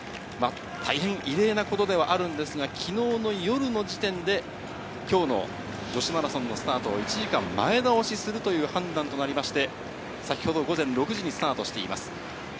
大変異例なことではあるんですが、きのうの夜の時点で、きょうの女子マラソンのスタートを１時間前倒しするという判断となりまして、先ほど午前６時にスタートしています。